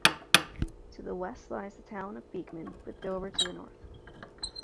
To the west lies the town of Beekman, with Dover to the north.